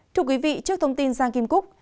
thưa quý vị trước thông tin giang kim cúc